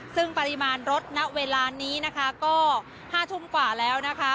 ซึ่งปริมาณรถณเวลานี้นะคะก็๕ทุ่มกว่าแล้วนะคะ